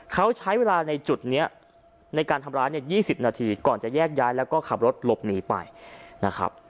เขาใช้เวลาในจุดนี้ในการทำร้ายเนี่ย๒๐นาทีก่อนจะแยกย้ายแล้วก็ขับรถหลบหนีไปนะครับ